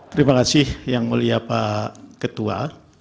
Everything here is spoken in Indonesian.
terima kasih yang mulia pak ketua